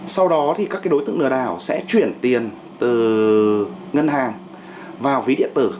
sau đó thì các đối tượng lừa đảo sẽ chuyển tiền từ ngân hàng vào ví điện tử